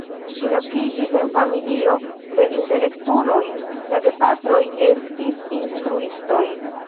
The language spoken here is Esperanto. Ŝi naskiĝis en familio de intelektuloj, la gepatroj estis instruistoj.